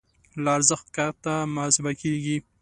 له ارزښت کښته محاسبه کېږي.